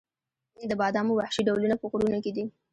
د بادامو وحشي ډولونه په غرونو کې دي؟